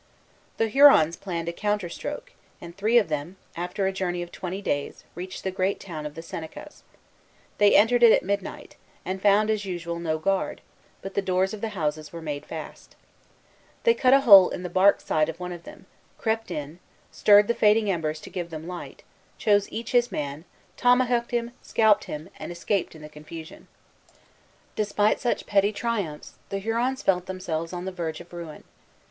The Hurons planned a counter stroke; and three of them, after a journey of twenty days, reached the great town of the Senecas. They entered it at midnight, and found, as usual, no guard; but the doors of the houses were made fast. They cut a hole in the bark side of one of them, crept in, stirred the fading embers to give them light, chose each his man, tomahawked him, scalped him, and escaped in the confusion. Ragueneau, Relation des Hurons, 1646, 55, 56. Despite such petty triumphs, the Hurons felt themselves on the verge of ruin.